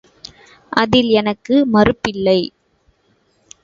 அதில் எனக்கு மறுப்பில்லை.